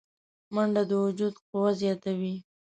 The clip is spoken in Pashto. منډه د وجود قوه زیاتوي